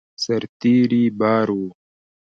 سرتېري بار وو.